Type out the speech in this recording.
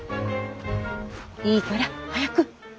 いいから早く。